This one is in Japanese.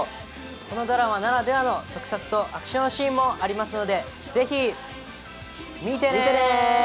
このドラマならではの特撮とアクションシーンもぜひ見てね！